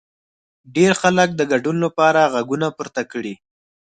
ډېر خلک د ګډون لپاره غږونه پورته کړي.